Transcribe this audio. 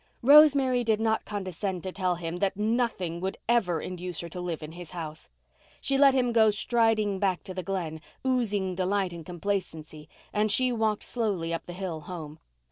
Rosemary did not condescend to tell him that nothing would ever induce her to live in his house. She let him go striding back to the Glen, oozing delight and complacency, and she walked slowly up the hill home.